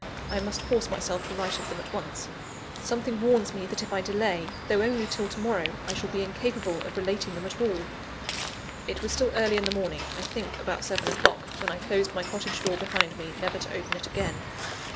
I must force myself to write of them at once. Something warns me that if I delay, though only till to morrow, I shall be incapable of relating them at all. It was still early in the morning I think about seven o'clock when I closed my cottage door behind me, never to open it again.